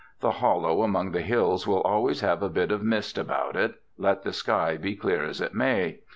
The hollow among the hills will always have a bit of mist about it, let the sky be clear as it may.